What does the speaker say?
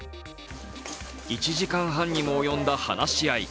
１時間半にも及んだ話し合い。